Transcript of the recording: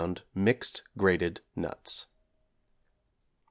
mixed grated nuts.